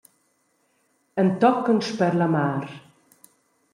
Entochen sper la mar.